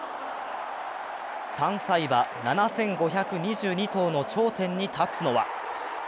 ３歳馬７５２２頭の頂点に立つのは？